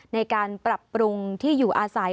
ในการปรับปรุงที่อยู่อาศัย